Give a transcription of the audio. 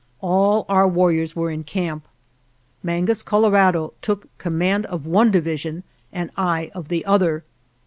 All our warriors were in camp. Mangus Colorado took command of one division and I of the other.